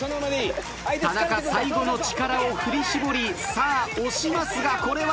田中最後の力を振り絞りさあ押しますがこれはもう虫の息だ。